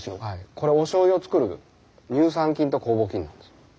これおしょうゆを作る乳酸菌と酵母菌なんです。